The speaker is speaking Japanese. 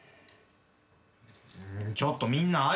ちょっとみんな。